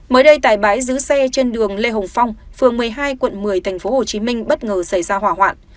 mới đây tại bãi giữ xe trên đường lê hồng phong phường một mươi hai quận một mươi tp hcm bất ngờ xảy ra hỏa hoạn